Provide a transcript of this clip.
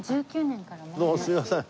どうもすいません。